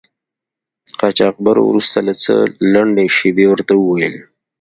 قاچاقبر وروسته له څه لنډې شیبې ورته و ویل.